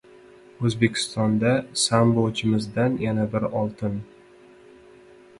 O‘zbekistonda sambochimizdan yana bir oltin!